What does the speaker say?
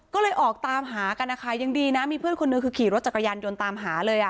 ก็เลยออกตามหากันนะคะยังดีนะมีเพื่อนคนนึงคือขี่รถจักรยานยนต์ตามหาเลย